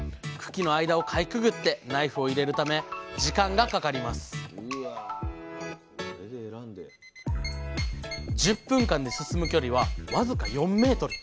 茎の間をかいくぐってナイフを入れるため時間がかかります１０分間で進む距離は僅か４ｍ。